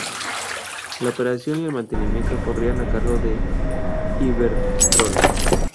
La operación y el mantenimiento corrían a cargo de Iberdrola.